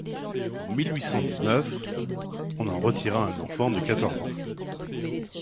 En mille huit cent dix-neuf, on en retira un enfant de quatorze ans.